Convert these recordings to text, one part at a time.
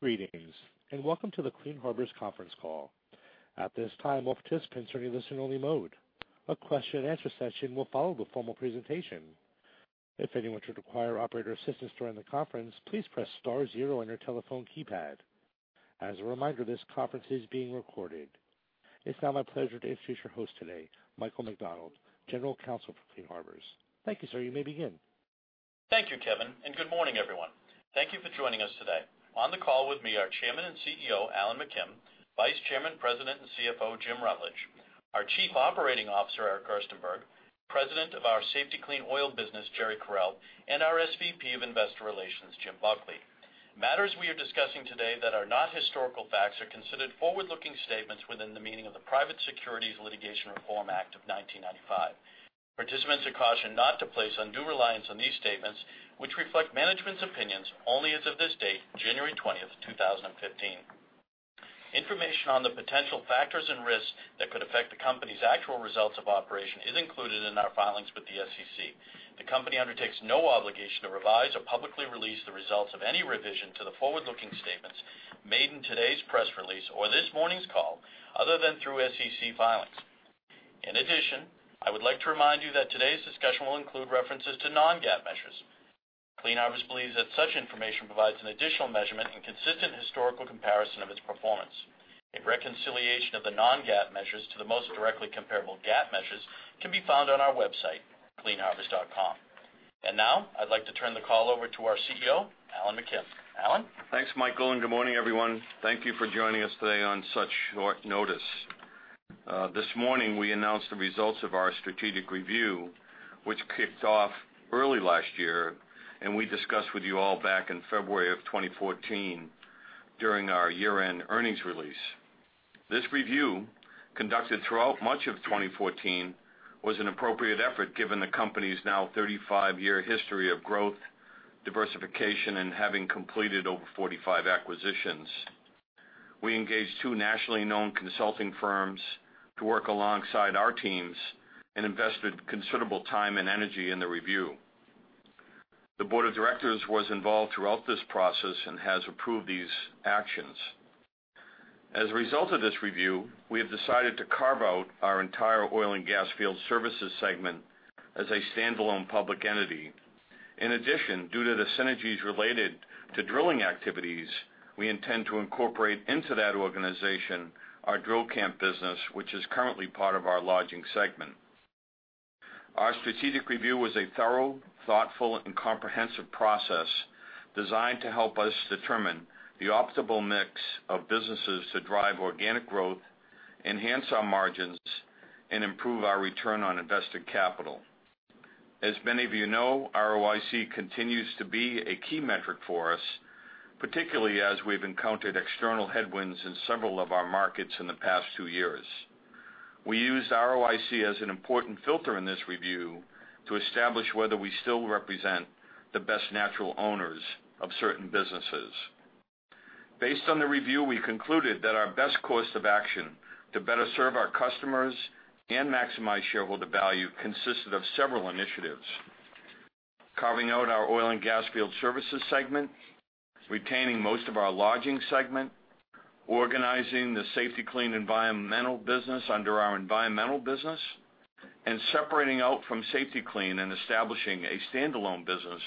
Greetings, and welcome to the Clean Harbors Conference Call. At this time, all participants are in listen-only mode. A question-and-answer session will follow the formal presentation. If anyone should require operator assistance during the conference, please press star zero on your telephone keypad. As a reminder, this conference is being recorded. It's now my pleasure to introduce your host today, Michael McDonald, General Counsel for Clean Harbors. Thank you, sir. You may begin. Thank you, Kevin, and good morning, everyone. Thank you for joining us today. On the call with me are Chairman and CEO, Alan McKim; Vice Chairman, President, and CFO, Jim Rutledge; our Chief Operating Officer, Eric Gerstenberg; President of our Safety-Kleen Oil business, Jerry Correll; and our SVP of Investor Relations, Jim Buckley. Matters we are discussing today that are not historical facts are considered forward-looking statements within the meaning of the Private Securities Litigation Reform Act of 1995. Participants are cautioned not to place undue reliance on these statements, which reflect management's opinions only as of this date, January 20, 2015. Information on the potential factors and risks that could affect the company's actual results of operation is included in our filings with the SEC. The company undertakes no obligation to revise or publicly release the results of any revision to the forward-looking statements made in today's press release or this morning's call, other than through SEC filings. In addition, I would like to remind you that today's discussion will include references to non-GAAP measures. Clean Harbors believes that such information provides an additional measurement and consistent historical comparison of its performance. A reconciliation of the non-GAAP measures to the most directly comparable GAAP measures can be found on our website, cleanharbors.com. And now, I'd like to turn the call over to our CEO, Alan McKim. Alan? Thanks, Michael, and good morning, everyone. Thank you for joining us today on such short notice. This morning, we announced the results of our strategic review, which kicked off early last year, and we discussed with you all back in February 2014 during our year-end earnings release. This review, conducted throughout much of 2014, was an appropriate effort, given the company's now 35-year history of growth, diversification, and having completed over 45 acquisitions. We engaged two nationally known consulting firms to work alongside our teams and invested considerable time and energy in the review. The board of directors was involved throughout this process and has approved these actions. As a result of this review, we have decided to carve out our entire Oil and Gas Field Services segment as a standalone public entity. In addition, due to the synergies related to drilling activities, we intend to incorporate into that organization our drill camp business, which is currently part of our Lodging segment. Our strategic review was a thorough, thoughtful, and comprehensive process designed to help us determine the optimal mix of businesses to drive organic growth, enhance our margins, and improve our return on invested capital. As many of you know, ROIC continues to be a key metric for us, particularly as we've encountered external headwinds in several of our markets in the past two years. We used ROIC as an important filter in this review to establish whether we still represent the best natural owners of certain businesses. Based on the review, we concluded that our best course of action to better serve our customers and maximize shareholder value consisted of several initiatives: carving out our Oil and Gas Field Services segment, retaining most of our Lodging segment, organizing the Safety-Kleen environmental business under our environmental business, and separating out from Safety-Kleen and establishing a standalone business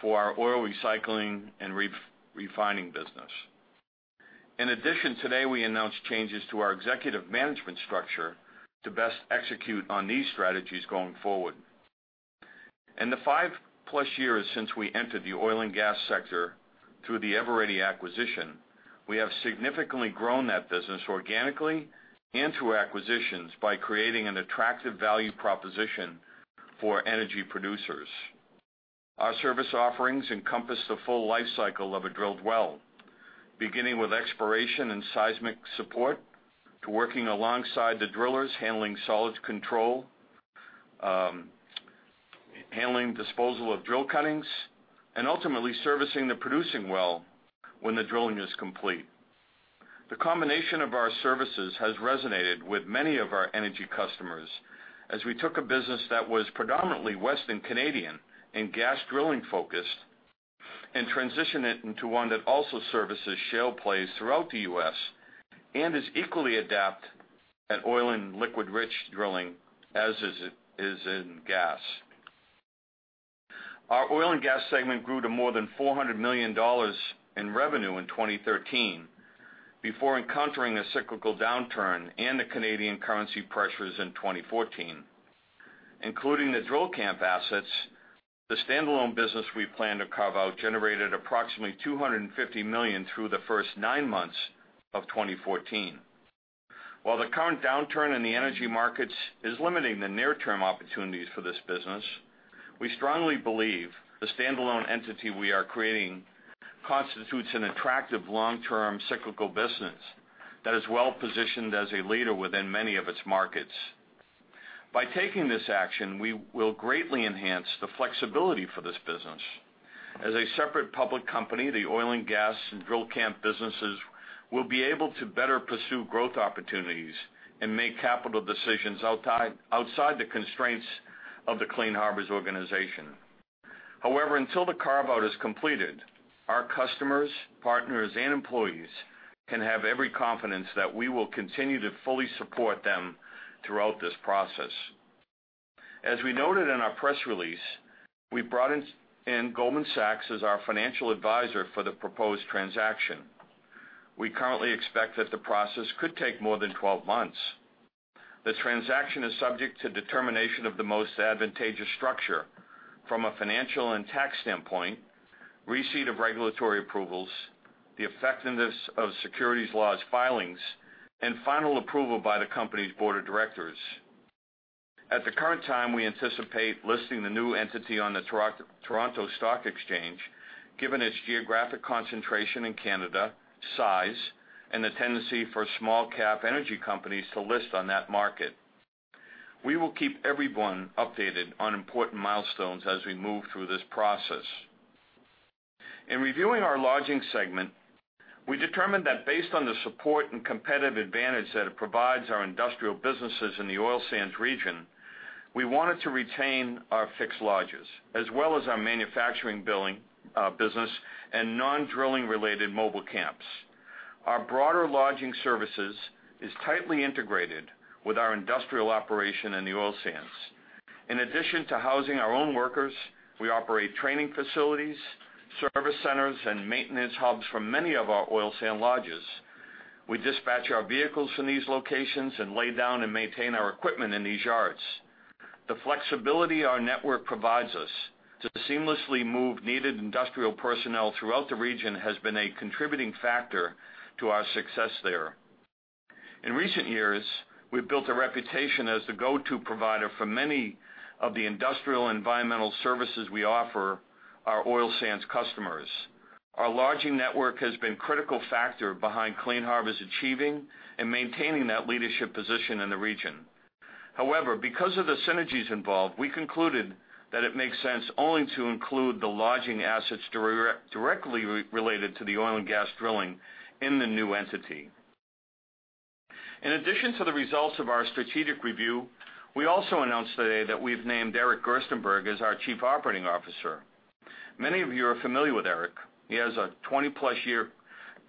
for our Oil Recycling and Re-refining business. In addition, today, we announced changes to our executive management structure to best execute on these strategies going forward. In the five-plus years since we entered the Oil and Gas sector through the Eveready acquisition, we have significantly grown that business organically and through acquisitions by creating an attractive value proposition for energy producers. Our service offerings encompass the full life cycle of a drilled well, beginning with exploration and seismic support, to working alongside the drillers, handling solids control, handling disposal of drill cuttings, and ultimately servicing the producing well when the drilling is complete. The combination of our services has resonated with many of our energy customers, as we took a business that was predominantly Western Canadian and gas drilling focused, and transition it into one that also services shale plays throughout the U.S. and is equally adept at oil and liquid-rich drilling as is in gas. Our Oil and Gas segment grew to more than $400 million in revenue in 2013 before encountering a cyclical downturn and the Canadian currency pressures in 2014. Including the drill camp assets, the standalone business we plan to carve out generated approximately $250 million through the first nine months of 2014. While the current downturn in the energy markets is limiting the near-term opportunities for this business, we strongly believe the standalone entity we are creating constitutes an attractive long-term cyclical business that is well positioned as a leader within many of its markets. By taking this action, we will greatly enhance the flexibility for this business. As a separate public company, the Oil and Gas and drill camp businesses we'll be able to better pursue growth opportunities and make capital decisions outside the constraints of the Clean Harbors organization. However, until the carve-out is completed, our customers, partners, and employees can have every confidence that we will continue to fully support them throughout this process. As we noted in our press release, we've brought in Goldman Sachs as our financial advisor for the proposed transaction. We currently expect that the process could take more than 12 months. The transaction is subject to determination of the most advantageous structure from a financial and tax standpoint, receipt of regulatory approvals, the effectiveness of securities laws filings, and final approval by the company's board of directors. At the current time, we anticipate listing the new entity on the Toronto Stock Exchange, given its geographic concentration in Canada, size, and the tendency for small-cap energy companies to list on that market. We will keep everyone updated on important milestones as we move through this process. In reviewing our Lodging segment, we determined that based on the support and competitive advantage that it provides our industrial businesses in the Oil Sands region, we wanted to retain our fixed lodges, as well as our manufacturing [billing] business, and non-drilling related mobile camps. Our broader lodging services is tightly integrated with our industrial operation in the Oil Sands. In addition to housing our own workers, we operate training facilities, service centers, and maintenance hubs for many of our Oil Sands lodges. We dispatch our vehicles from these locations and lay down and maintain our equipment in these yards. The flexibility our network provides us to seamlessly move needed industrial personnel throughout the region has been a contributing factor to our success there. In recent years, we've built a reputation as the go-to provider for many of the industrial environmental services we offer our Oil Sands customers. Our lodging network has been critical factor behind Clean Harbors achieving and maintaining that leadership position in the region. However, because of the synergies involved, we concluded that it makes sense only to include the lodging assets directly related to the oil and gas drilling in the new entity. In addition to the results of our strategic review, we also announced today that we've named Eric Gerstenberg as our Chief Operating Officer. Many of you are familiar with Eric. He is a 20-plus year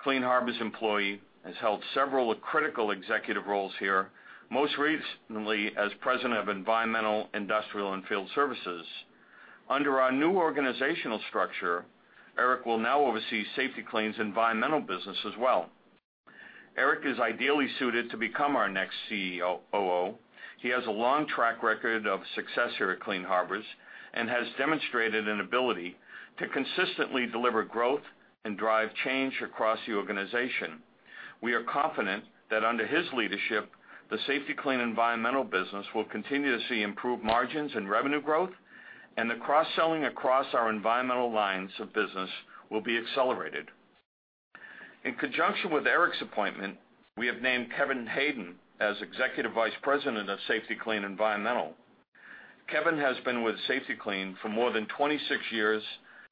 Clean Harbors employee, has held several critical executive roles here, most recently as President of Environmental, Industrial, and Field Services. Under our new organizational structure, Eric will now oversee Safety-Kleen's environmental business as well. Eric is ideally suited to become our next CEO. He has a long track record of success here at Clean Harbors and has demonstrated an ability to consistently deliver growth and drive change across the organization. We are confident that under his leadership, the Safety-Kleen Environmental business will continue to see improved margins and revenue growth, and the cross-selling across our environmental lines of business will be accelerated. In conjunction with Eric's appointment, we have named Kevin Hayden as Executive Vice President of Safety-Kleen Environmental. Kevin has been with Safety-Kleen for more than 26 years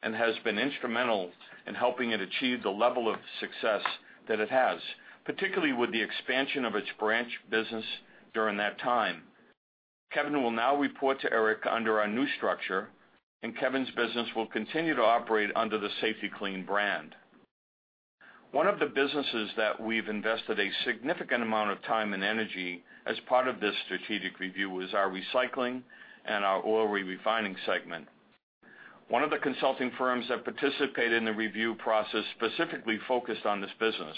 and has been instrumental in helping it achieve the level of success that it has, particularly with the expansion of its branch business during that time. Kevin will now report to Eric under our new structure, and Kevin's business will continue to operate under the Safety-Kleen brand. One of the businesses that we've invested a significant amount of time and energy as part of this strategic review is our recycling and our Oil Re-refining segment. One of the consulting firms that participated in the review process specifically focused on this business,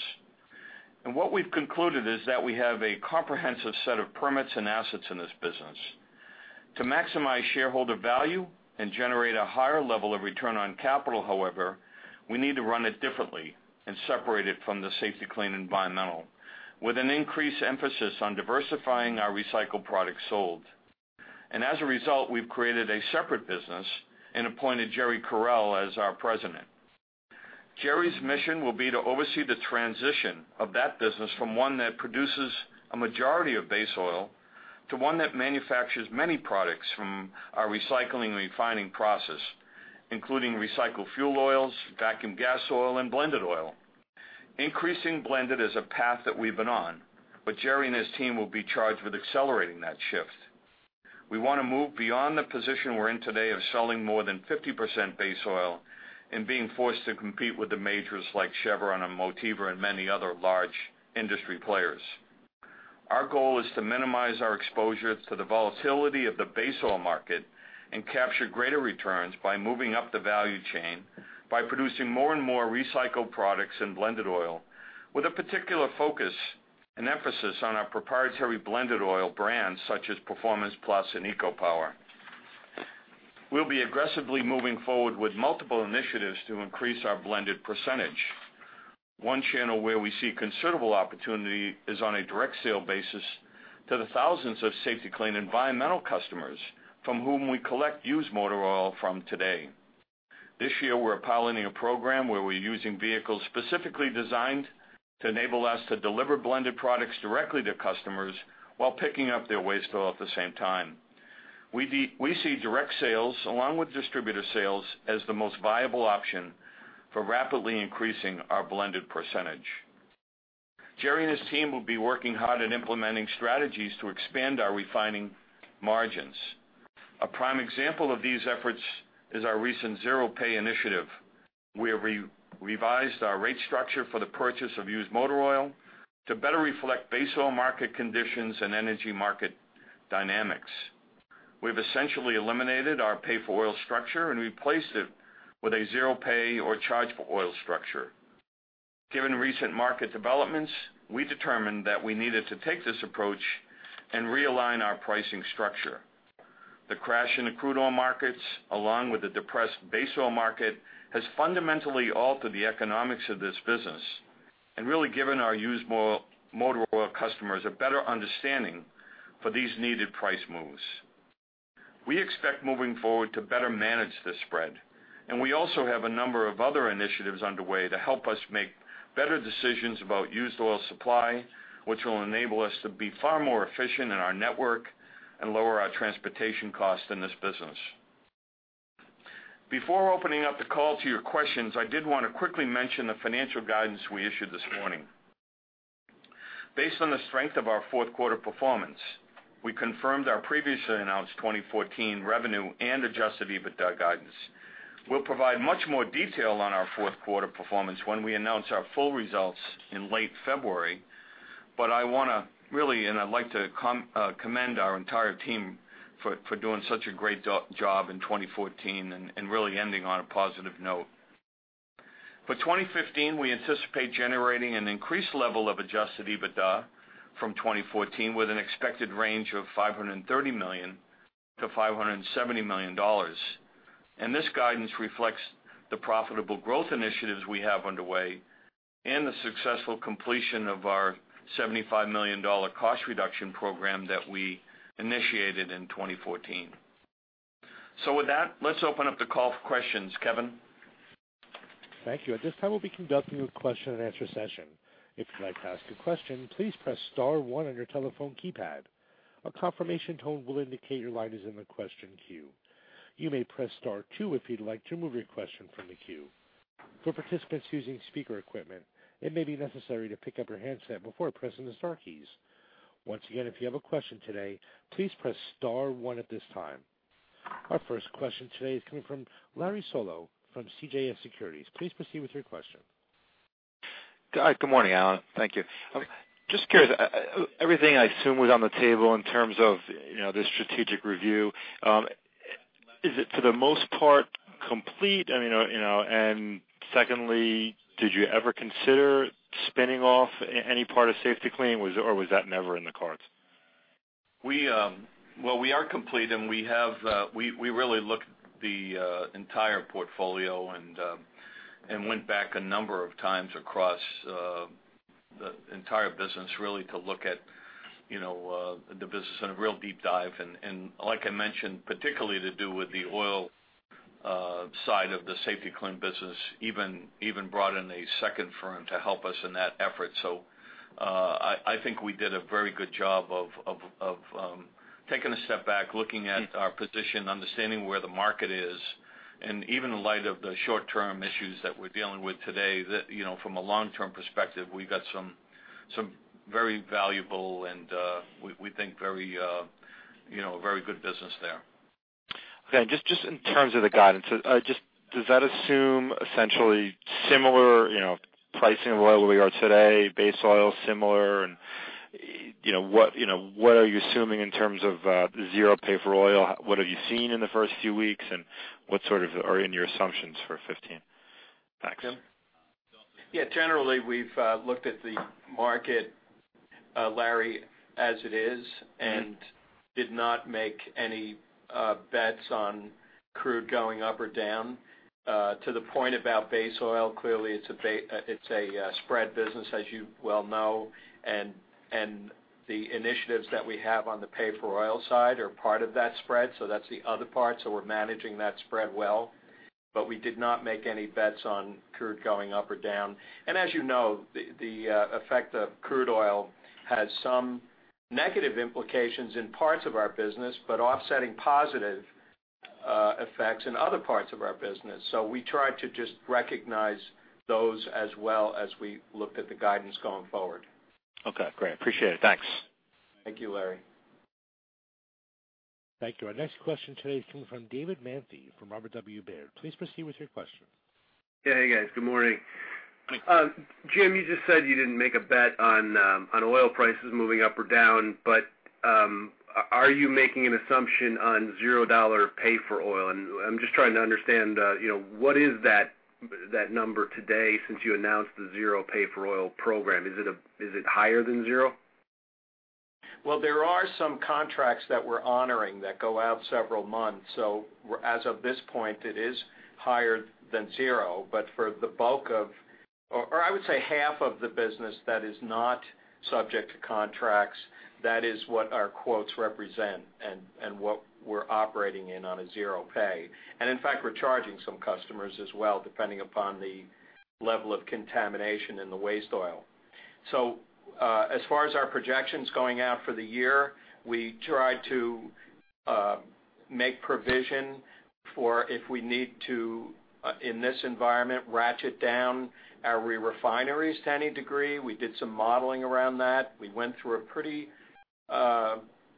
and what we've concluded is that we have a comprehensive set of permits and assets in this business. To maximize shareholder value and generate a higher level of return on capital, however, we need to run it differently and separate it from the Safety-Kleen Environmental, with an increased emphasis on diversifying our recycled products sold. As a result, we've created a separate business and appointed Jerry Correll as our president. Jerry's mission will be to oversee the transition of that business from one that produces a majority of base oil, to one that manufactures many products from our recycling refining process, including recycled fuel oils, vacuum gas oil, and blended oil. Increasing blended is a path that we've been on, but Jerry and his team will be charged with accelerating that shift. We wanna move beyond the position we're in today of selling more than 50% base oil and being forced to compete with the majors like Chevron and Motiva and many other large industry players. Our goal is to minimize our exposure to the volatility of the base oil market and capture greater returns by moving up the value chain, by producing more and more recycled products and blended oil, with a particular focus and emphasis on our proprietary blended oil brands, such as Performance Plus and EcoPower. We'll be aggressively moving forward with multiple initiatives to increase our blended percentage. One channel where we see considerable opportunity is on a direct sale basis to the thousands of Safety-Kleen environmental customers from whom we collect used motor oil from today. This year, we're piloting a program where we're using vehicles specifically designed to enable us to deliver blended products directly to customers while picking up their waste oil at the same time. We see direct sales, along with distributor sales, as the most viable option for rapidly increasing our blended percentage. Jerry and his team will be working hard at implementing strategies to expand our refining margins. A prime example of these efforts is our recent zero pay initiative, where we revised our rate structure for the purchase of used motor oil to better reflect base oil market conditions and energy market dynamics. We've essentially eliminated our pay-for-oil structure and replaced it with a zero pay or charge-for-oil structure. Given recent market developments, we determined that we needed to take this approach and realign our pricing structure. The crash in the crude oil markets, along with the depressed base oil market, has fundamentally altered the economics of this business and really given our used motor oil customers a better understanding for these needed price moves. We expect moving forward to better manage this spread, and we also have a number of other initiatives underway to help us make better decisions about used oil supply, which will enable us to be far more efficient in our network and lower our transportation costs in this business. Before opening up the call to your questions, I did want to quickly mention the financial guidance we issued this morning. Based on the strength of our fourth quarter performance, we confirmed our previously announced 2014 revenue and Adjusted EBITDA guidance. We'll provide much more detail on our fourth quarter performance when we announce our full results in late February, but I want to really, and I'd like to commend our entire team for doing such a great job in 2014 and really ending on a positive note. For 2015, we anticipate generating an increased level of Adjusted EBITDA from 2014, with an expected range of $530 million-$570 million. And this guidance reflects the profitable growth initiatives we have underway and the successful completion of our $75 million cost reduction program that we initiated in 2014. So with that, let's open up the call for questions. Kevin? Thank you. At this time, we'll be conducting a question-and-answer session. If you'd like to ask a question, please press star one on your telephone keypad. A confirmation tone will indicate your line is in the question queue. You may press star two if you'd like to remove your question from the queue. For participants using speaker equipment, it may be necessary to pick up your handset before pressing the star keys. Once again, if you have a question today, please press star one at this time. Our first question today is coming from Larry Solow from CJS Securities. Please proceed with your question. Hi, good morning, Alan. Thank you. Just curious, everything I assume was on the table in terms of, you know, the strategic review. Is it, for the most part, complete? I mean, you know, and secondly, did you ever consider spinning off any part of Safety-Kleen? Or was that never in the cards? We, well, we are complete, and we have, we, we really looked at the entire portfolio and, and went back a number of times across the entire business, really, to look at, you know, the business in a real deep dive. And, and like I mentioned, particularly to do with the oil side of the Safety-Kleen business, even, even brought in a second firm to help us in that effort. So, I, I think we did a very good job of, of, of, taking a step back, looking at our position, understanding where the market is, and even in light of the short-term issues that we're dealing with today, the, you know, from a long-term perspective, we've got some, some very valuable and, we, we think very, you know, very good business there. Okay. Just in terms of the guidance, just does that assume essentially similar, you know, pricing of oil where we are today, base oil similar? And, you know, what are you assuming in terms of zero pay for oil? What have you seen in the first few weeks, and what sort of are in your assumptions for 2015? Thanks. Jim? Yeah, generally, we've looked at the market, Larry, as it is, and did not make any bets on crude going up or down. To the point about base oil, clearly, it's a spread business, as you well know, and the initiatives that we have on the pay-for-oil side are part of that spread. So that's the other part. So we're managing that spread well, but we did not make any bets on crude going up or down. And as you know, the effect of crude oil has some negative implications in parts of our business, but offsetting positive effects in other parts of our business. So we try to just recognize those as well as we look at the guidance going forward. Okay, great. Appreciate it. Thanks. Thank you, Larry. Thank you. Our next question today is coming from David Manthey from Robert W. Baird. Please proceed with your question. Yeah. Hey, guys. Good morning. Jim, you just said you didn't make a bet on oil prices moving up or down, but are you making an assumption on zero dollar pay for oil? And I'm just trying to understand, you know, what is that number today since you announced the zero pay for oil program? Is it higher than zero? Well, there are some contracts that we're honoring that go out several months. So we're—as of this point, it is higher than zero. But for the bulk of, or I would say, half of the business that is not subject to contracts, that is what our quotes represent and what we're operating in on a zero pay. And in fact, we're charging some customers as well, depending upon the level of contamination in the waste oil. So, as far as our projections going out for the year, we try to make provsion for if we need to, in this environment, ratchet down our re-refineries to any degree. We did some modeling around that. We went through a pretty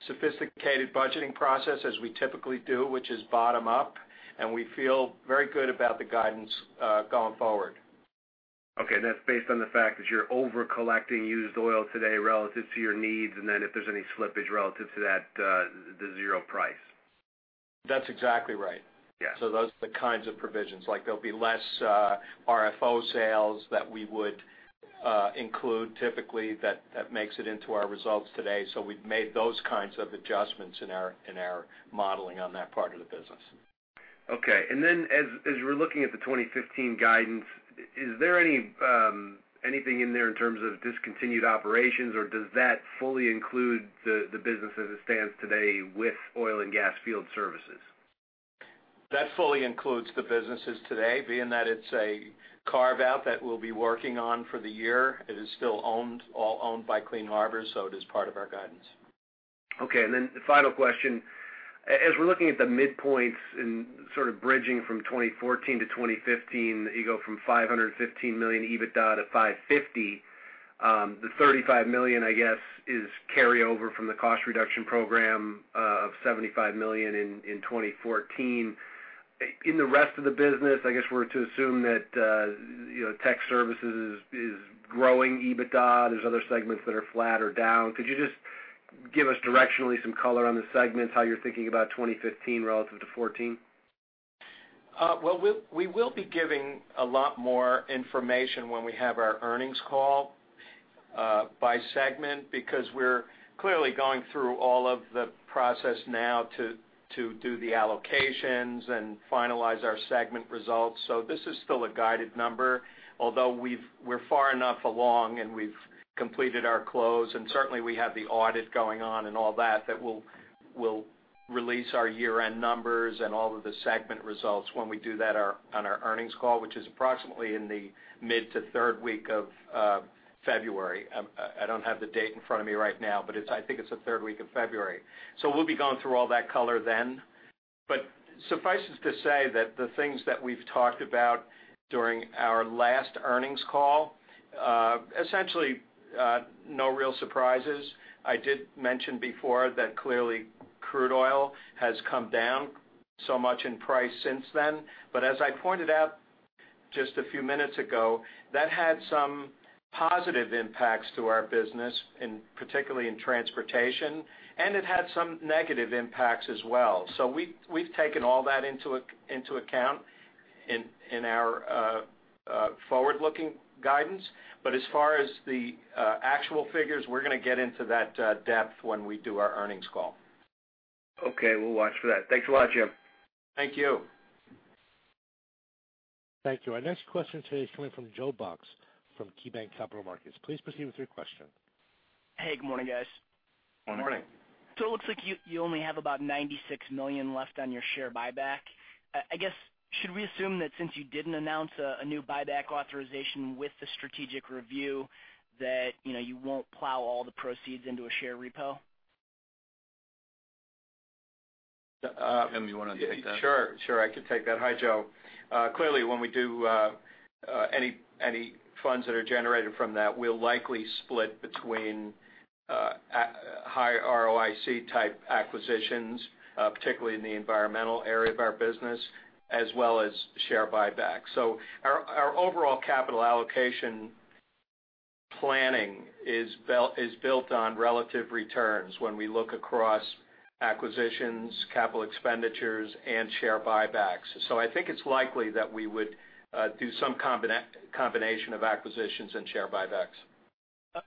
sophisticated budgeting process, as we typically do, which is bottom up, and we feel very good about the guidance going forward. Okay. And that's based on the fact that you're over-collecting used oil today relative to your needs, and then if there's any slippage relative to that, the zero price? That's exactly right. Yeah. So those are the kinds of provisions, like there'll be less RFO sales that we would include typically, that makes it into our results today. So we've made those kinds of adjustments in our modeling on that part of the business. Okay. And then as we're looking at the 2015 guidance, is there anything in there in terms of discontinued operations, or does that fully include the business as it stands today with Oil and Gas Field Services? That fully includes the businesses today, being that it's a carve-out that we'll be working on for the year. It is still owned, all owned by Clean Harbors, so it is part of our guidance. Okay, and then the final question: as we're looking at the midpoints and sort of bridging from 2014-2015, you go from $515 million EBITDA to $550 million. The $35 million, I guess, is carryover from the cost reduction program of $75 million in 2014. In the rest of the business, I guess we're to assume that you know, tech services is growing EBITDA. There's other segments that are flat or down. Could you just give us directionally some color on the segments, how you're thinking about 2015 relative to 2014? Well, we'll, we will be giving a lot more information when we have our earnings call, by segment, because we're clearly going through all of the process now to, to do the allocations and finalize our segment results. So this is still a guided number, although we've -- we're far enough along, and we've completed our close, and certainly, we have the audit going on and all that, that we'll, we'll release our year-end numbers and all of the segment results when we do that our, on our earnings call, which is approximately in the mid to third week of, February. I, I don't have the date in front of me right now, but it's, I think it's the third week of February. So we'll be going through all that color then. But suffice it to say that the things that we've talked about during our last earnings call, essentially, no real surprises. I did mention before that clearly, crude oil has come down so much in price since then. But as I pointed out just a few minutes ago, that had some positive impacts to our business, in particular in transportation, and it had some negative impacts as well. So we've taken all that into account in our forward-looking guidance. But as far as the actual figures, we're gonna get into that in depth when we do our earnings call. Okay, we'll watch for that. Thanks a lot, Jim. Thank you. Thank you. Our next question today is coming from Joe Box from KeyBanc Capital Markets. Please proceed with your question. Hey, good morning, guys. Morning. So it looks like you only have about $96 million left on your share buyback. I guess, should we assume that since you didn't announce a new buyback authorization with the strategic review, that, you know, you won't plow all the proceeds into a share repo? Jim, you wanna take that? Sure, sure, I can take that. Hi, Joe. Clearly, when we do any funds that are generated from that, we'll likely split between high ROIC-type acquisitions, particularly in the environmental area of our business, as well as share buybacks. So our overall capital allocation planning is built on relative returns when we look across acquisitions, capital expenditures, and share buybacks. So I think it's likely that we would do some combination of acquisitions and share buybacks.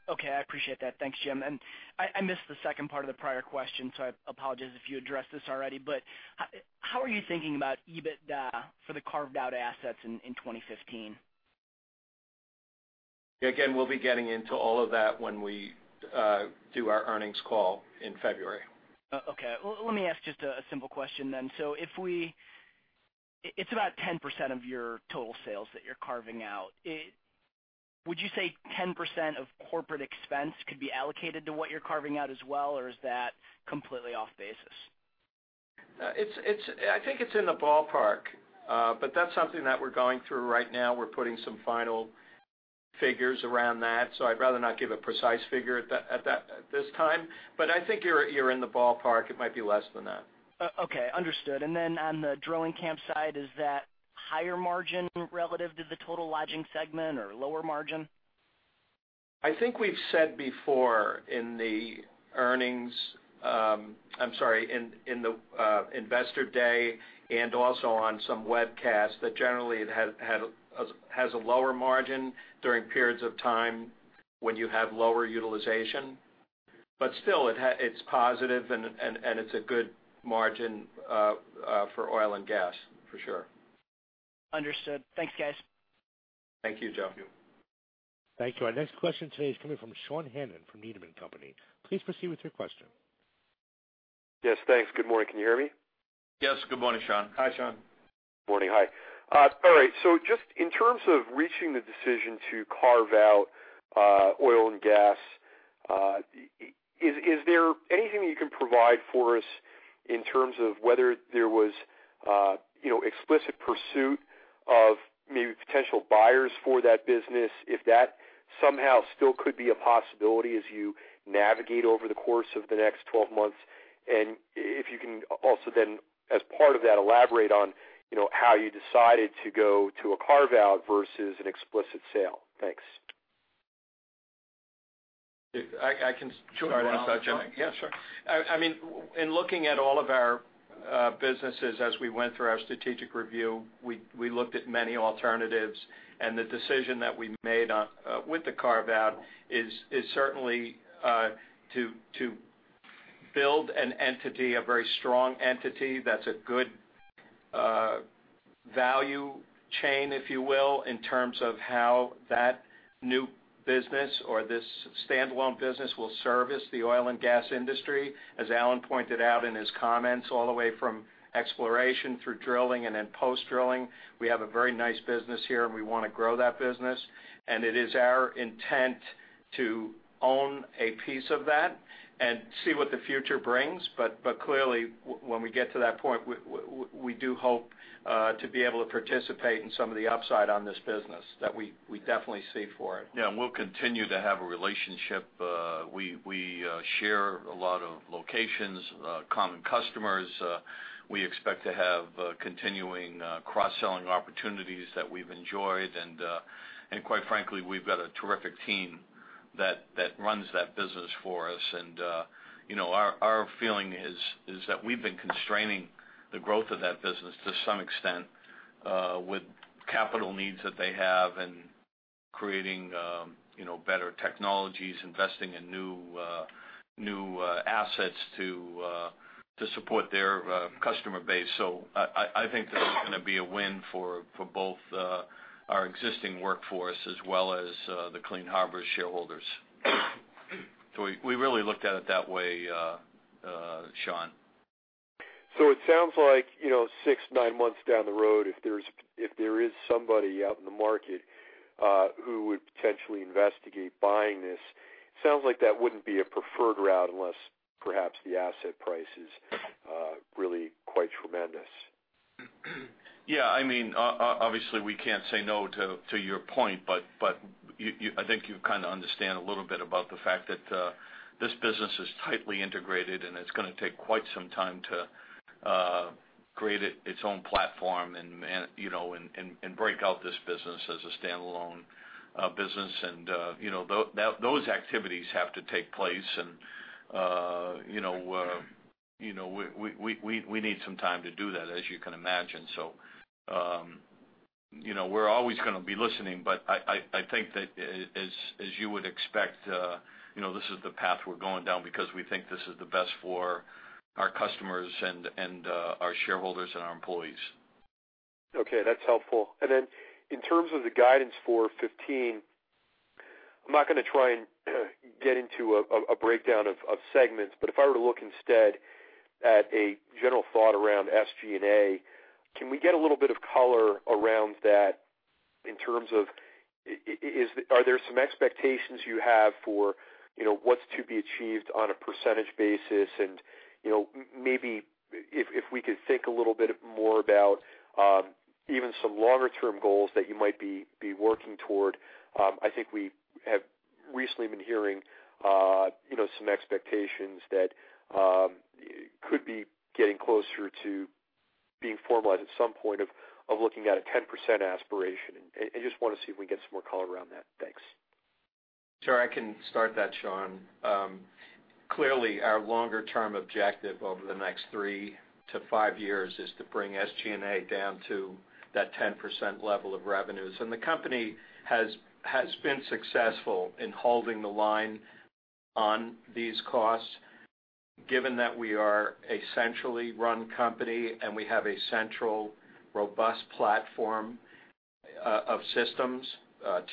Okay, I appreciate that. Thanks, Jim. I missed the second part of the prior question, so I apologize if you addressed this already. But how are you thinking about EBITDA for the carved-out assets in 2015? Again, we'll be getting into all of that when we do our earnings call in February. Okay. Let me ask just a simple question then. So if it's about 10% of your total sales that you're carving out. Would you say 10% of corporate expense could be allocated to what you're carving out as well, or is that completely off base? It's -- I think it's in the ballpark, but that's something that we're going through right now. We're putting some final figures around that, so I'd rather not give a precise figure at this time. But I think you're in the ballpark. It might be less than that. Okay. Understood. And then on the drilling camp side, is that higher margin relative to the total Lodging segment or lower margin? I think we've said before in the earnings. I'm sorry, in the Investor Day and also on some webcasts, that generally it has a lower margin during periods of time when you have lower utilization. But still, it's positive and it's a good margin for Oil and Gas, for sure. Understood. Thanks, guys. Thank you, Joe. Thank you. Our next question today is coming from Sean Hannan from Needham & Company. Please proceed with your question. Yes, thanks. Good morning. Can you hear me? Yes. Good morning, Sean. Hi, Sean. Morning. Hi. All right. So just in terms of reaching the decision to carve out Oil and Gas, is there anything you can provide for us in terms of whether there was you know, explicit pursuit of maybe potential buyers for that business, if that somehow still could be a possibility as you navigate over the course of the next 12 months? And if you can also then, as part of that, elaborate on you know, how you decided to go to a carve out versus an explicit sale. Thanks. I can- Sure. Yeah, sure. I mean, in looking at all of our businesses as we went through our strategic review, we looked at many alternatives, and the decision that we made on with the carve out is certainly to build an entity, a very strong entity that's a good value chain, if you will, in terms of how that new business or this standalone business will service the oil and gas industry. As Alan pointed out in his comments, all the way from exploration through drilling and then post-drilling, we have a very nice business here, and we wanna grow that business. It is our intent to own a piece of that and see what the future brings. But clearly, when we get to that point, we do hope to be able to participate in some of the upside on this business that we definitely see for it. Yeah, and we'll continue to have a relationship. We share a lot of locations, common customers. We expect to have continuing cross-selling opportunities that we've enjoyed. And quite frankly, we've got a terrific team that runs that business for us. And you know, our feeling is that we've been constraining the growth of that business to some extent with capital needs that they have and creating you know, better technologies, investing in new assets to support their customer base. So I think this is gonna be a win for both our existing workforce as well as the Clean Harbors shareholders. So we really looked at it that way, Sean. So it sounds like, you know, 6-9 months down the road, if there is somebody out in the market who would potentially investigate buying this, sounds like that wouldn't be a preferred route unless perhaps the asset price is really quite tremendous. Yeah, I mean, obviously, we can't say no to your point, but you—I think you kind of understand a little bit about the fact that this business is tightly integrated, and it's gonna take quite some time to create its own platform and, you know, and break out this business as a standalone business. And you know, that those activities have to take place, and you know, we need some time to do that, as you can imagine. So, you know, we're always gonna be listening, but I think that as you would expect, you know, this is the path we're going down because we think this is the best for our customers and our shareholders and our employees. Okay, that's helpful. And then in terms of the guidance for 2015, I'm not gonna try and get into a breakdown of segments, but if I were to look instead at a general thought around SG&A, can we get a little bit of color around that in terms of are there some expectations you have for, you know, what's to be achieved on a percentage basis? And, you know, maybe if we could think a little bit more about even some longer term goals that you might be working toward. I think we have recently been hearing, you know, some expectations that could be getting closer to being formalized at some point of looking at a 10% aspiration. And just wanna see if we can get some more color around that. Thanks. Sure, I can start that, Sean. Clearly, our longer term objective over the next 3-5 years is to bring SG&A down to that 10% level of revenues. The company has, has been successful in holding the line on these costs, given that we are a centrally run company, and we have a central, robust platform of systems,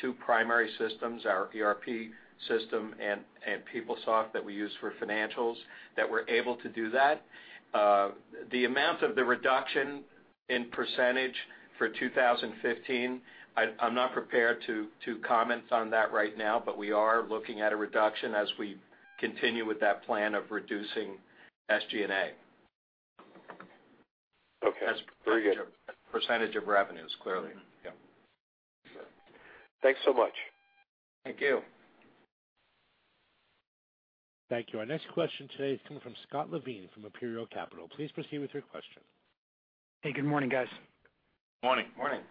two primary systems, our ERP system and, and PeopleSoft that we use for financials, that we're able to do that. The amount of the reduction in percentage for 2015, I'm, I'm not prepared to, to comment on that right now, but we are looking at a reduction as we continue with that plan of reducing SG&A. Okay, very good. Percentage of revenues, clearly. Yeah. Thanks so much. Thank you. Thank you. Our next question today is coming from Scott Levine from Imperial Capital. Please proceed with your question. Hey, good morning, guys. Morning. Morning.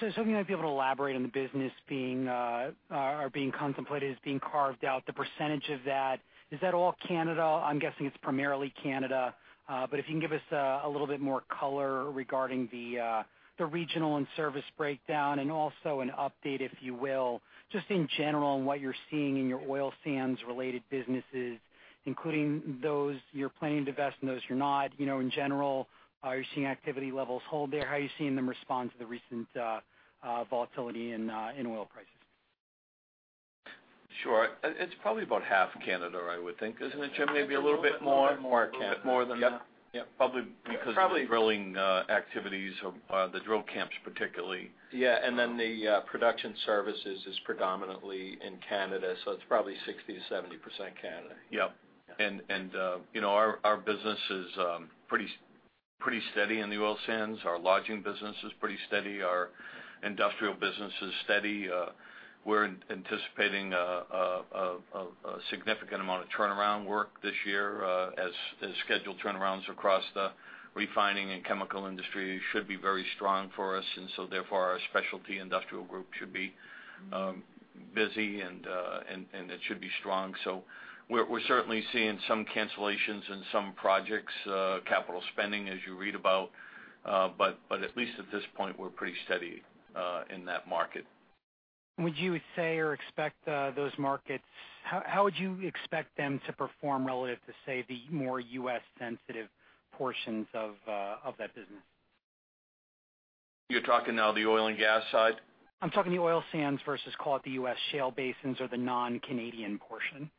So something I'd be able to elaborate on the business being, or being contemplated as being carved out, the percentage of that, is that all Canada? I'm guessing it's primarily Canada. But if you can give us a little bit more color regarding the the regional and service breakdown, and also an update, if you will, just in general, on what you're seeing in your Oil Sands related businesses, including those you're planning to invest and those you're not. You know, in general, are you seeing activity levels hold there? How are you seeing them respond to the recent volatility in oil prices?... Sure. It's probably about half Canada, I would think, isn't it, Jim? Maybe a little bit more? More, more Canada. Bit more than that. Yep. Yep. Probably because of the drilling, activities or, the drill camps, particularly. Yeah, and then the production services is predominantly in Canada, so it's probably 60%-70% Canada. Yep. And you know, our business is pretty steady in the Oil Sands. Our lodging business is pretty steady. Our industrial business is steady. We're anticipating a significant amount of turnaround work this year, as scheduled turnarounds across the refining and chemical industry should be very strong for us, and so therefore, our specialty industrial group should be busy, and it should be strong. So we're certainly seeing some cancellations in some projects, capital spending, as you read about, but at least at this point, we're pretty steady in that market. Would you say or expect those markets, how would you expect them to perform relative to, say, the more U.S. sensitive portions of that business? You're talking now the Oil and Gas side? I'm talking the Oil Sands versus call it the U.S. shale basins or the non-Canadian portion.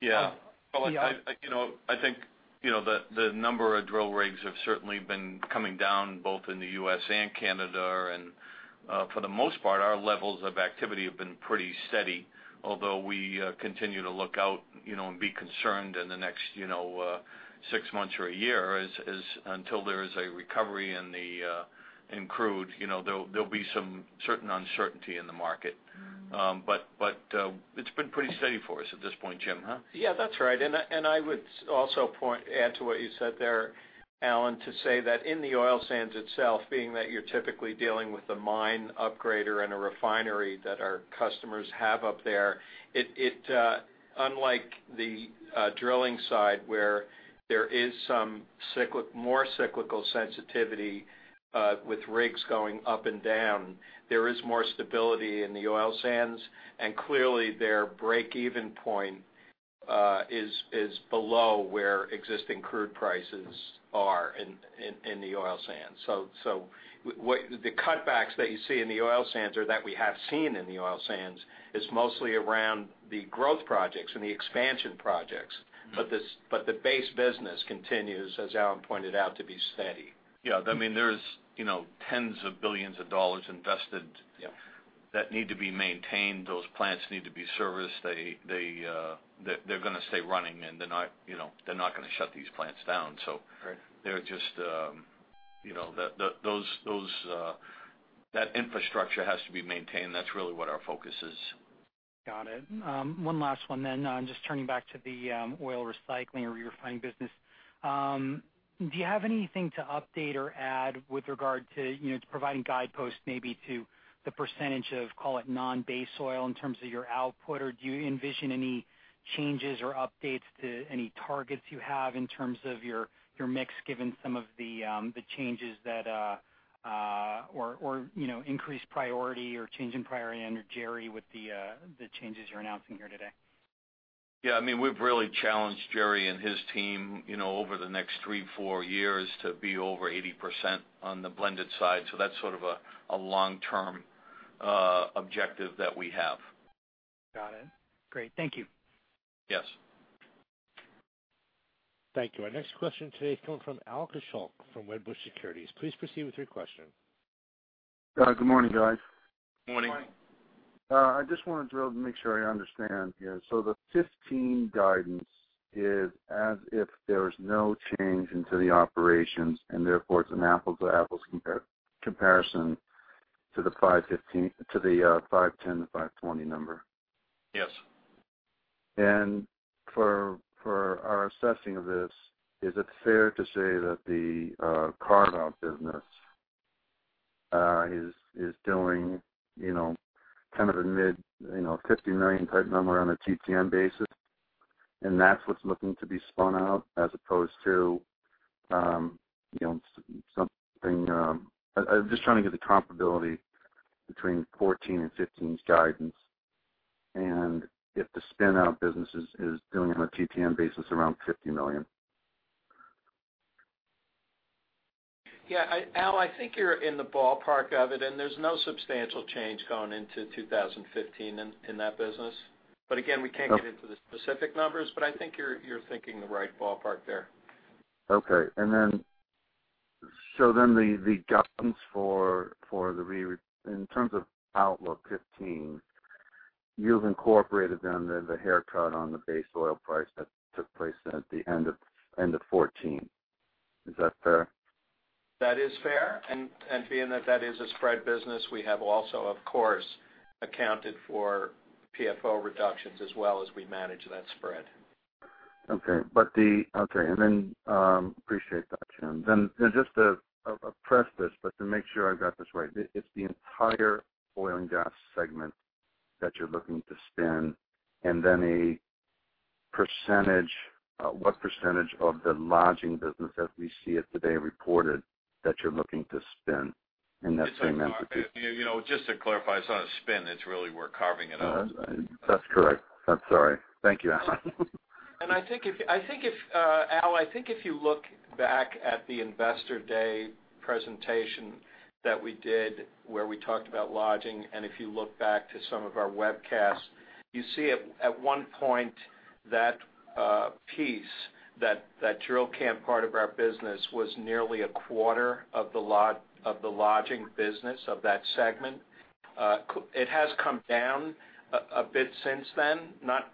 Yeah. Yeah. Well, I you know, I think you know the number of drill rigs have certainly been coming down, both in the U.S. and Canada. And for the most part, our levels of activity have been pretty steady, although we continue to look out you know and be concerned in the next you know six months or a year, as until there is a recovery in the in crude you know there'll be some certain uncertainty in the market. But it's been pretty steady for us at this point, Jim, huh? Yeah, that's right. And I would also add to what you said there, Alan, to say that in the Oil Sands itself, being that you're typically dealing with a mine upgrader and a refinery that our customers have up there, it, unlike the drilling side, where there is some cyclical, more cyclical sensitivity with rigs going up and down, there is more stability in the Oil Sands. And clearly, their break-even point is below where existing crude prices are in the Oil Sands. So what the cutbacks that you see in the Oil Sands, or that we have seen in the Oil Sands, is mostly around the growth projects and the expansion projects. But the base business continues, as Alan pointed out, to be steady. Yeah, I mean, there's, you know, tens of billions of dollars invested- Yep that need to be maintained. Those plants need to be serviced. They're gonna stay running, and they're not, you know, they're not gonna shut these plants down, so. Right. They're just, you know, that infrastructure has to be maintained. That's really what our focus is. Got it. One last one, then. Just turning back to the oil recycling or refining business. Do you have anything to update or add with regard to, you know, to providing guideposts maybe to the percentage of, call it, non-base oil in terms of your output? Or do you envision any changes or updates to any targets you have in terms of your mix, given some of the changes, or you know, increased priority or change in priority under Jerry with the changes you're announcing here today? Yeah, I mean, we've really challenged Jerry and his team, you know, over the next 3-4 years to be over 80% on the blended side. So that's sort of a long-term objective that we have. Got it. Great. Thank you. Yes. Thank you. Our next question today is coming from Al Kaschalk from Wedbush Securities. Please proceed with your question. Good morning, guys. Morning. Morning. I just want to drill to make sure I understand here. So the 2015 guidance is as if there's no change in the operations, and therefore it's an apples to apples comparison to the 510-520 number? Yes. For our assessing of this, is it fair to say that the carve-out business is doing, you know, kind of a mid $50 million type number on a TTM basis, and that's what's looking to be spun out, as opposed to, you know, something... I'm just trying to get the comparability between 2014 and 2015's guidance, and if the spin-out business is doing on a TTM basis around $50 million. Yeah, Al, I think you're in the ballpark of it, and there's no substantial change going into 2015 in that business. Okay. But again, we can't get into the specific numbers, but I think you're, you're thinking the right ballpark there. Okay. And then, so then the guidance for the re-refining in terms of outlook 2015, you've incorporated then the haircut on the base oil price that took place at the end of 2014. Is that fair? That is fair. And being that that is a spread business, we have also, of course, accounted for PFO reductions as well as we manage that spread. Okay. Okay, and then appreciate that, Jim. Then just a preface, but to make sure I've got this right, it's the entire Oil and Gas segment that you're looking to spin, and then a percentage, what percentage of the lodging business as we see it today reported, that you're looking to spin in that same entity? You know, just to clarify, it's not a spin. It's really we're carving it out. That's correct. I'm sorry. Thank you, Alan. ...And I think if you look back at the Investor Day presentation that we did, where we talked about lodging, and if you look back to some of our webcasts, you see at one point that piece, that drill camp part of our business was nearly a quarter of the lodging business of that segment. It has come down a bit since then. Not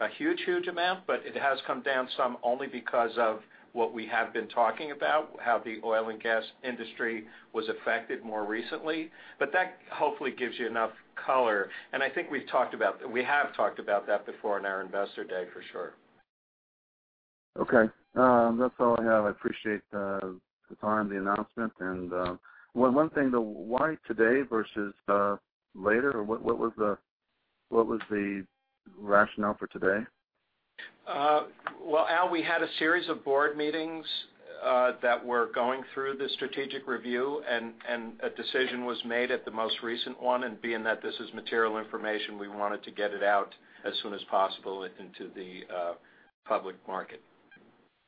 a huge amount, but it has come down some only because of what we have been talking about, how the oil and gas industry was affected more recently. But that hopefully gives you enough color. And I think we have talked about that before in our Investor Day, for sure. Okay. That's all I have. I appreciate the time, the announcement. And, well, one thing, though, why today versus later? Or what, what was the, what was the rationale for today? Well, Al, we had a series of board meetings that were going through the strategic review, and a decision was made at the most recent one. Being that this is material information, we wanted to get it out as soon as possible into the public market.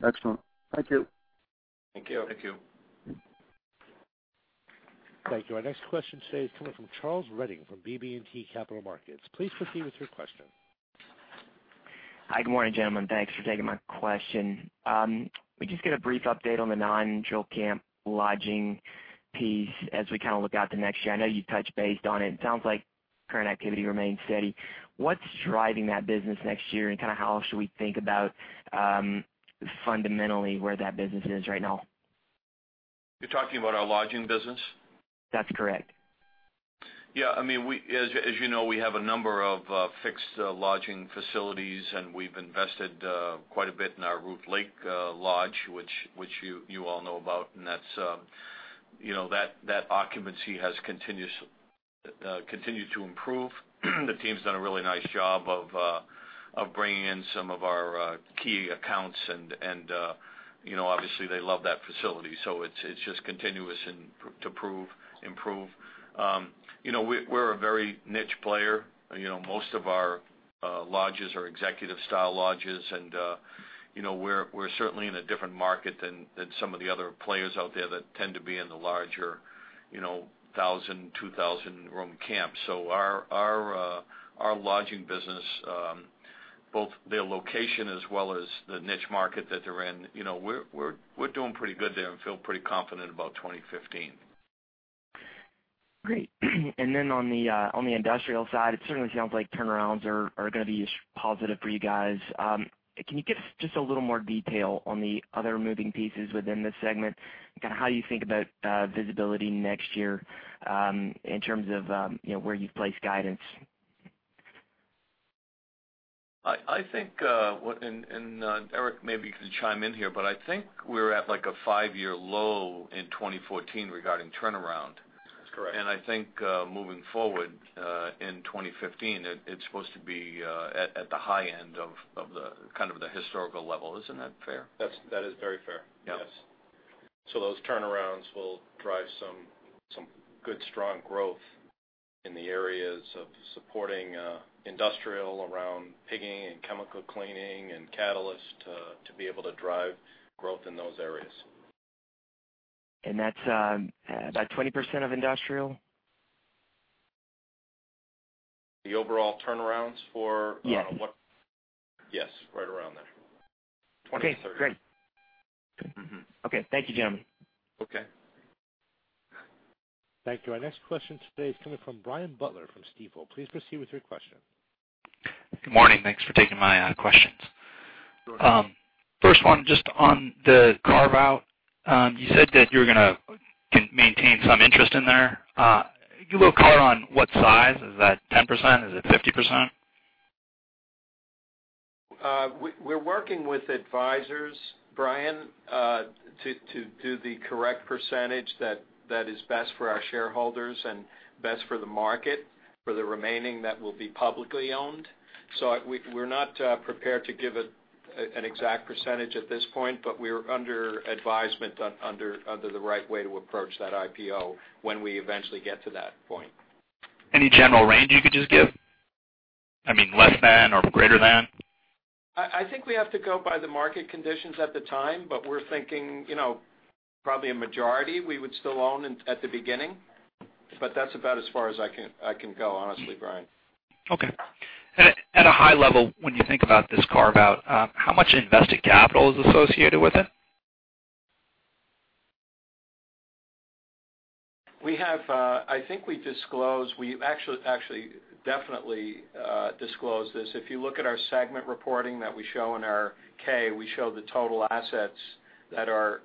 Excellent. Thank you. Thank you. Thank you. Thank you. Our next question today is coming from Charles Redding from BB&T Capital Markets. Please proceed with your question. Hi, good morning, gentlemen. Thanks for taking my question. Can we just get a brief update on the non-drill camp lodging piece as we kind of look out to next year? I know you touched base on it. It sounds like current activity remains steady. What's driving that business next year, and kind of how else should we think about, fundamentally, where that business is right now? You're talking about our lodging business? That's correct. Yeah, I mean, as you know, we have a number of fixed lodging facilities, and we've invested quite a bit in our Ruth Lake Lodge, which you all know about. And that's, you know, that occupancy has continued to improve. The team's done a really nice job of bringing in some of our key accounts, and, you know, obviously, they love that facility. So it's just continuous and to improve. You know, we're a very niche player. You know, most of our lodges are executive-style lodges, and, you know, we're certainly in a different market than some of the other players out there that tend to be in the larger, you know, 1,000, 2,000-room camps. So our lodging business, both their location as well as the niche market that they're in, you know, we're doing pretty good there and feel pretty confident about 2015. Great. And then on the, on the industrial side, it certainly sounds like turnarounds are gonna be positive for you guys. Can you give us just a little more detail on the other moving pieces within this segment? Kind of how you think about visibility next year, in terms of, you know, where you've placed guidance? I think, Eric, maybe you can chime in here, but I think we're at, like, a five-year low in 2014 regarding turnaround. That's correct. I think, moving forward, in 2015, it's supposed to be at the high end of the kind of the historical level. Isn't that fair? That is very fair. Yep. Yes. So those turnarounds will drive some good, strong growth in the areas of supporting industrial around pigging and chemical cleaning and catalyst to be able to drive growth in those areas. That's about 20% of industrial? The overall turnarounds for- Yes. Yes, right around there. 20%, 30%. Okay, great. Mm-hmm. Okay. Thank you, gentlemen. Okay. Thank you. Our next question today is coming from Brian Butler from Stifel. Please proceed with your question. Good morning. Thanks for taking my questions. Sure. First one, just on the carve-out. You said that you were gonna continue to maintain some interest in there. Could you provide clarity on what size? Is that 10%? Is it 50%? We're working with advisors, Brian, to do the correct percentage that is best for our shareholders and best for the market, for the remaining that will be publicly owned. So we're not prepared to give an exact percentage at this point, but we're under advisement on the right way to approach that IPO when we eventually get to that point. Any general range you could just give? I mean, less than or greater than? I think we have to go by the market conditions at the time, but we're thinking, you know, probably a majority we would still own in at the beginning. But that's about as far as I can go, honestly, Brian. Okay. At a high level, when you think about this carve out, how much invested capital is associated with it? We have, I think we disclosed—we've actually, actually definitely, disclosed this. If you look at our segment reporting that we show in our K, we show the total assets that are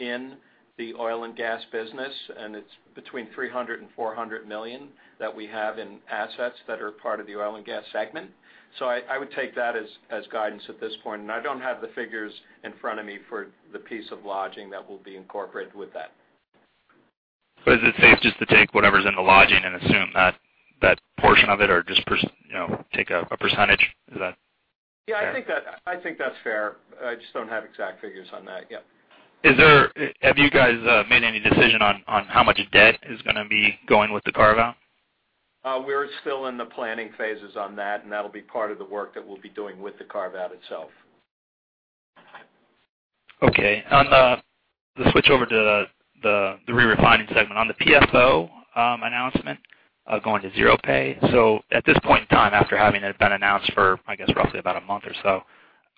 in the Oil and Gas business, and it's between $300 million and $400 million that we have in assets that are part of the Oil and Gas segment. So I, I would take that as, as guidance at this point. And I don't have the figures in front of me for the piece of lodging that will be incorporated with that. So is it safe just to take whatever's in the lodging and assume that, that portion of it or just you know, take a, a percentage? Is that fair? Yeah, I think that, I think that's fair. I just don't have exact figures on that yet. Have you guys made any decision on how much debt is gonna be going with the carve-out?... We're still in the planning phases on that, and that'll be part of the work that we'll be doing with the carve-out itself. Okay. On the switch over to the Re-refining segment, on the PFO announcement going to ZeroPay. So at this point in time, after having it been announced for, I guess, roughly about a month or so,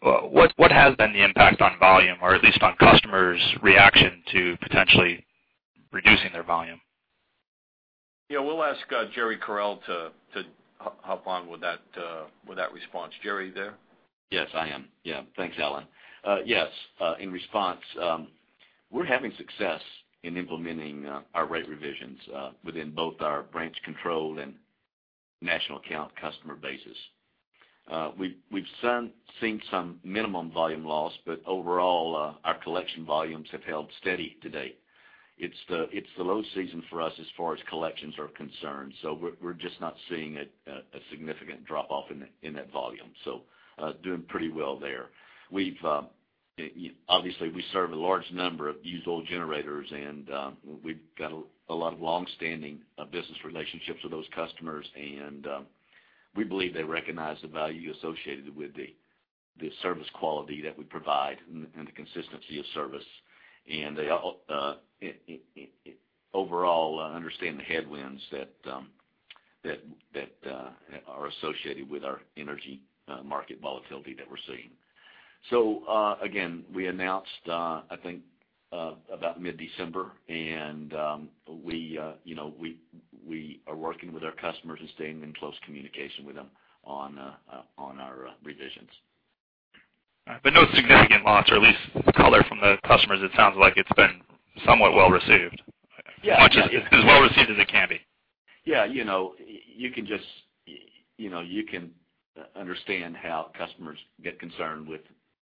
what has been the impact on volume, or at least on customers' reaction to potentially reducing their volume? Yeah, we'll ask Jerry Correll to hop on with that response. Jerry, you there? Yes, I am. Yeah, thanks, Alan. Yes, in response, we're having success in implementing our rate revisions within both our branch-controlled and national account customer bases. We've seen some minimum volume loss, but overall, our collection volumes have held steady to date. It's the low season for us as far as collections are concerned, so we're just not seeing a significant drop-off in that volume. So, doing pretty well there. We've obviously we serve a large number of used oil generators, and we've got a lot of long-standing business relationships with those customers, and we believe they recognize the value associated with the service quality that we provide and the consistency of service. And they, overall, understand the headwinds that are associated with our energy market volatility that we're seeing. So, again, we announced, I think, about mid-December, and, you know, we are working with our customers and staying in close communication with them on our revisions. No significant loss, or at least the color from the customers. It sounds like it's been somewhat well received. Yeah. As well received as it can be. Yeah, you know, you can just, you know, you can understand how customers get concerned with,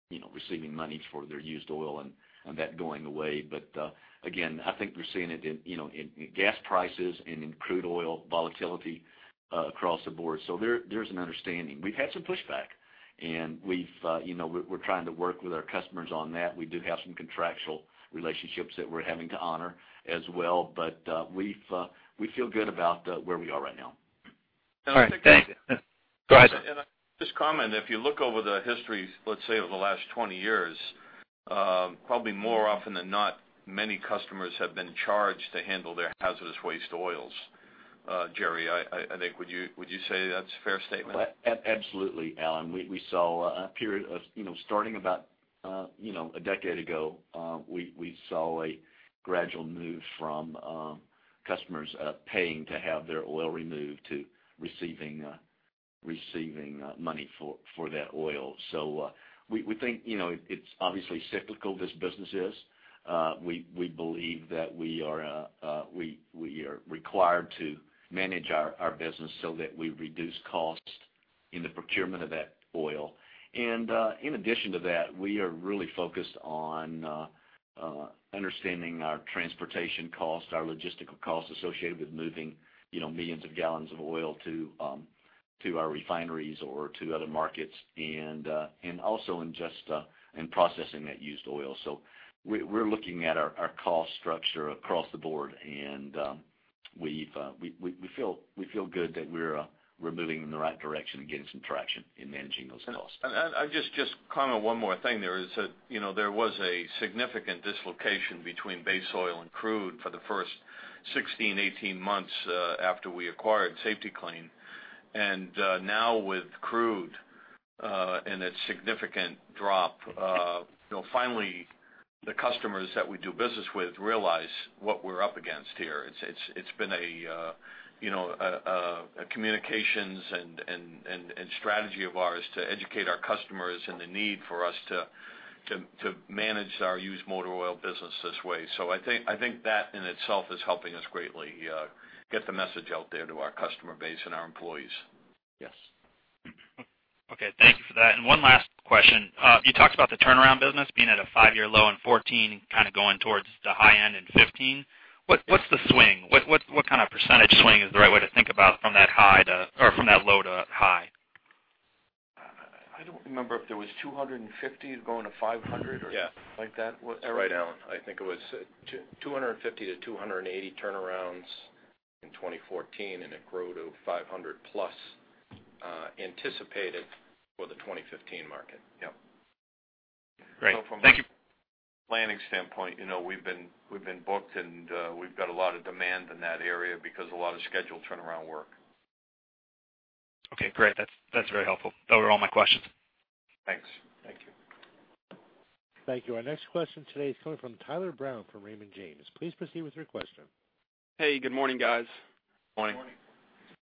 you know, receiving money for their used oil and, and that going away. But, again, I think we're seeing it in, you know, in gas prices and in crude oil volatility, across the board. So there's an understanding. We've had some pushback, and we've, you know, we're trying to work with our customers on that. We do have some contractual relationships that we're having to honor as well, but, we've, we feel good about, where we are right now. All right. Thanks. Go ahead. Just comment, if you look over the history, let's say, over the last 20 years, probably more often than not, many customers have been charged to handle their hazardous waste oils. Jerry, I think, would you say that's a fair statement? Absolutely, Alan. We saw a period of, you know, starting about a decade ago, we saw a gradual move from customers paying to have their oil removed to receiving money for that oil. So, we think, you know, it's obviously cyclical, this business is. We believe that we are required to manage our business so that we reduce costs in the procurement of that oil. And, in addition to that, we are really focused on understanding our transportation costs, our logistical costs associated with moving, you know, millions of gallons of oil to our refineries or to other markets, and also in just processing that used oil. So we're looking at our cost structure across the board, and we feel good that we're moving in the right direction and getting some traction in managing those costs. I just comment one more thing there is that, you know, there was a significant dislocation between base oil and crude for the first 16-18 months after we acquired Safety-Kleen. And now with crude and its significant drop, you know, finally, the customers that we do business with realize what we're up against here. It's been a, you know, a communications and strategy of ours to educate our customers and the need for us to manage our used motor oil business this way. So I think that in itself is helping us greatly get the message out there to our customer base and our employees. Yes. Okay, thank you for that. One last question. You talked about the turnaround business being at a five-year low in 2014, kind of going towards the high end in 2015. What, what's the swing? What kind of percentage swing is the right way to think about from that high to. Or from that low to high? I don't remember if there was 250 going to 500- Yeah. or like that? That's right, Alan. I think it was 250-280 turnarounds in 2014, and it grew to 500+ anticipated for the 2015 market. Yep. Great. Thank you. From a planning standpoint, you know, we've been booked, and we've got a lot of demand in that area because a lot of scheduled turnaround work. Okay, great. That's, that's very helpful. Those were all my questions. Thanks. Thank you. Thank you. Our next question today is coming from Tyler Brown from Raymond James. Please proceed with your question. Hey, good morning, guys. Morning. Morning.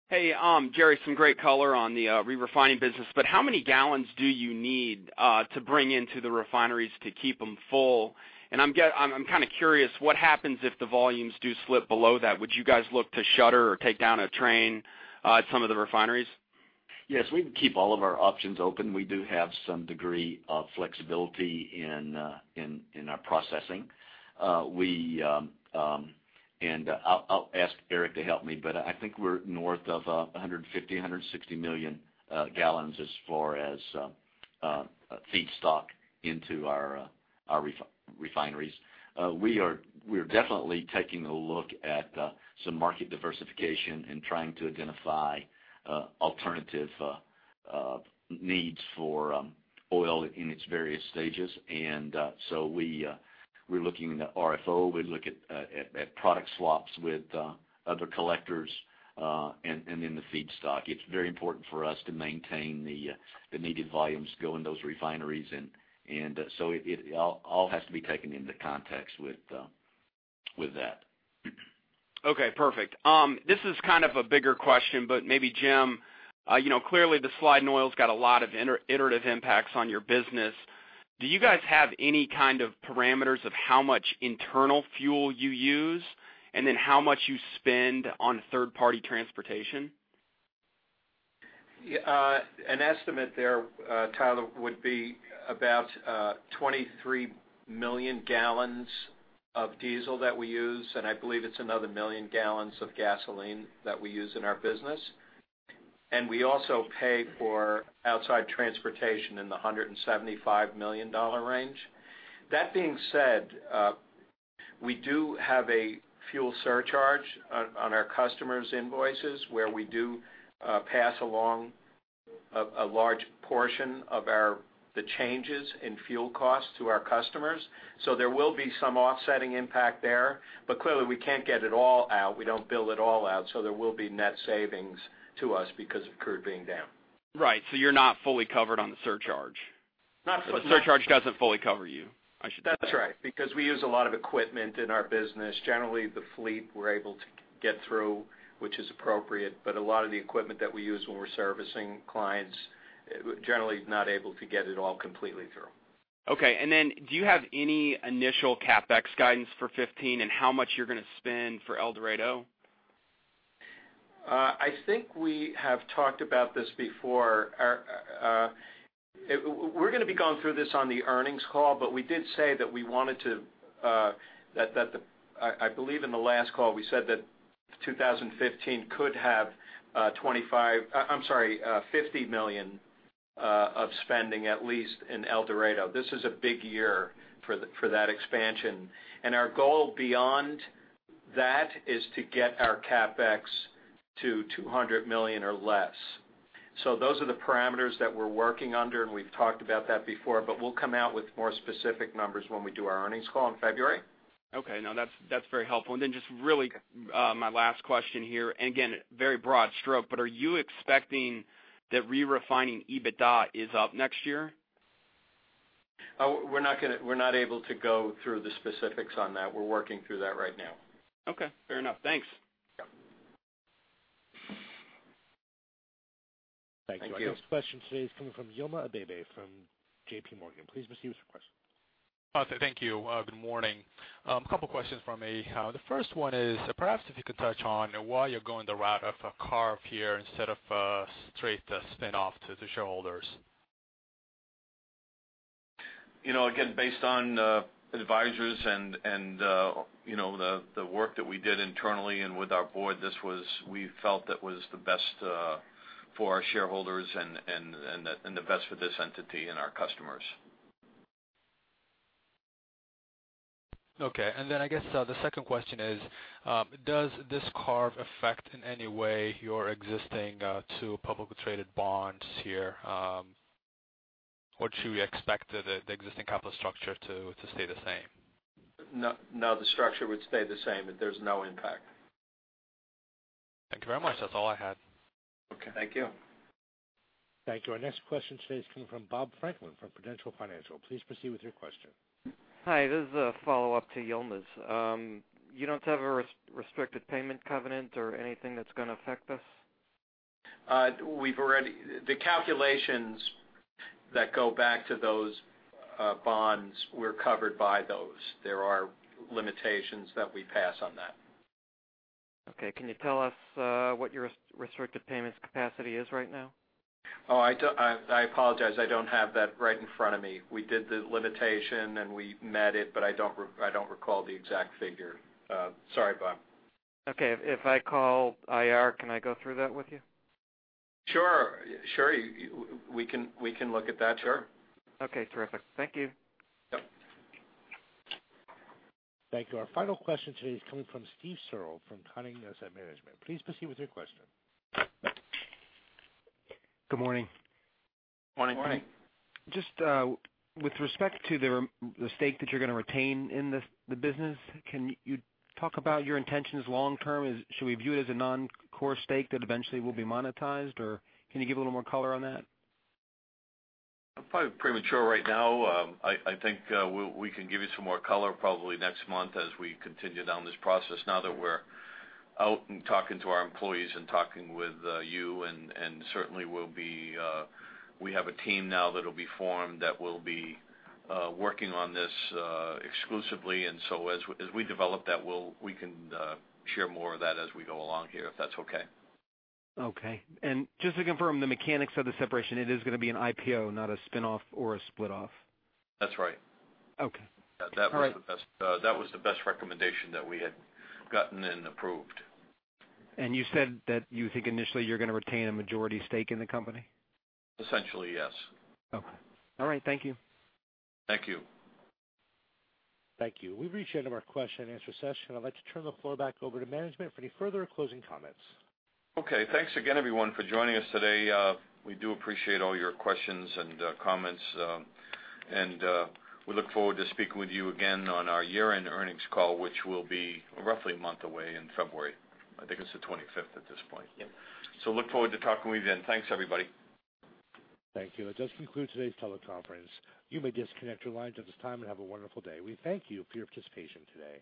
Hey, Jerry, some great color on the re-refining business, but how many gallons do you need to bring into the refineries to keep them full? And I'm kind of curious, what happens if the volumes do slip below that? Would you guys look to shutter or take down a train at some of the refineries? Yes, we keep all of our options open. We do have some degree of flexibility in our processing. And I'll, I'll ask Eric to help me, but I think we're north of 150-160 million gallons as far as feedstock into our refineries. We're definitely taking a look at some market diversification and trying to identify alternative needs for oil in its various stages. And so we're looking at RFO, we look at product swaps with other collectors, and then the feedstock. It's very important for us to maintain the needed volumes to go in those refineries, and so it all has to be taken into context with that. Okay, perfect. This is kind of a bigger question, but maybe, Jim, you know, clearly, the slide in oil's got a lot of iterative impacts on your business. Do you guys have any kind of parameters of how much internal fuel you use, and then how much you spend on third-party transportation? Yeah, an estimate there, Tyler, would be about 23 million gallons of diesel that we use, and I believe it's another 1 million gallons of gasoline that we use in our business. We also pay for outside transportation in the $175 million range. That being said, we do have a fuel surcharge on our customers' invoices, where we do pass along a large portion of our the changes in fuel costs to our customers. So there will be some offsetting impact there, but clearly, we can't get it all out. We don't bill it all out, so there will be net savings to us because of crude being down. Right. So you're not fully covered on the surcharge? Not fully- The surcharge doesn't fully cover you, I should say. That's right, because we use a lot of equipment in our business. Generally, the fleet, we're able to get through, which is appropriate, but a lot of the equipment that we use when we're servicing clients, we're generally not able to get it all completely through. Okay, and then, do you have any initial CapEx guidance for 2015, and how much you're gonna spend for El Dorado? I think we have talked about this before. Our... We're gonna be going through this on the earnings call, but we did say that we wanted to, that the-- I believe in the last call, we said that 2015 could have 25, I'm sorry, $50 million of spending, at least in El Dorado. This is a big year for the, for that expansion. And our goal beyond that is to get our CapEx to $200 million or less. So those are the parameters that we're working under, and we've talked about that before, but we'll come out with more specific numbers when we do our earnings call in February. Okay. No, that's, that's very helpful. And then, just really, my last question here, and again, very broad stroke, but are you expecting that Re-refining EBITDA is up next year? We're not gonna... We're not able to go through the specifics on that. We're working through that right now. Okay, fair enough. Thanks. Yep. Thank you. Thank you. Our next question today is coming from Yilma Abebe from JPMorgan. Please proceed with your question. Thank you. Good morning. A couple questions from me. The first one is, perhaps if you could touch on why you're going the route of a carve-out here instead of straight spin-off to the shareholders. You know, again, based on advisors and you know, the work that we did internally and with our board, this was—we felt that was the best for our shareholders and the best for this entity and our customers. Okay. And then I guess, the second question is, does this carve affect in any way your existing, two publicly traded bonds here? Or should we expect the existing capital structure to stay the same? No, no, the structure would stay the same. There's no impact. Thank you very much. That's all I had. Okay, thank you. Thank you. Our next question today is coming from Bob Franklin from Prudential Financial. Please proceed with your question. Hi, this is a follow-up to Yilma's. You don't have a restricted payment covenant or anything that's gonna affect this? We've already... The calculations that go back to those bonds were covered by those. There are limitations that we pass on that. Okay. Can you tell us what your restrictive payments capacity is right now? Oh, I don't—I apologize. I don't have that right in front of me. We did the limitation, and we met it, but I don't—I don't recall the exact figure. Sorry, Bob. Okay. If I call IR, can I go through that with you? Sure. Sure, we can, we can look at that. Sure. Okay, terrific. Thank you. Yep. Thank you. Our final question today is coming from Steve Cirlin from Channing Capital Management. Please proceed with your question. Good morning. Morning. Morning. Just, with respect to the stake that you're gonna retain in this, the business, can you talk about your intentions long term? Is— Should we view it as a non-core stake that eventually will be monetized, or can you give a little more color on that? Probably premature right now. I think we can give you some more color probably next month as we continue down this process, now that we're out and talking to our employees and talking with you, and certainly we'll be. We have a team now that will be working on this exclusively. And so, as we develop that, we'll we can share more of that as we go along here, if that's okay. Okay. Just to confirm, the mechanics of the separation, it is gonna be an IPO, not a spin-off or a split-off? That's right. Okay. All right. That was the best recommendation that we had gotten and approved. You said that you think initially you're gonna retain a majority stake in the company? Essentially, yes. Okay. All right, thank you. Thank you. Thank you. We've reached the end of our question and answer session. I'd like to turn the floor back over to management for any further closing comments. Okay. Thanks again, everyone, for joining us today. We do appreciate all your questions and comments, and we look forward to speaking with you again on our year-end earnings call, which will be roughly a month away in February. I think it's the 25th at this point. Yep. So look forward to talking with you then. Thanks, everybody. Thank you. That does conclude today's teleconference. You may disconnect your lines at this time and have a wonderful day. We thank you for your participation today.